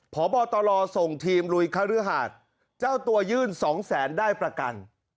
พบตรส่งทีมลุยคฤหาสเจ้าตัวยื่นสองแสนได้ประกัน